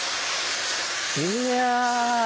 いや。